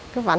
cứ vắn thôi